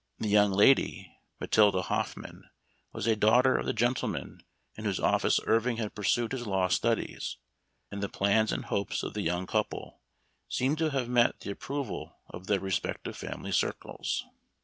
The young lady, Matilda Hoffman, was a daughter of the gentleman in whose office Irving had pursued his law studies, and the plans and hopes of the young couple seem to have met the approval of their respective family circles.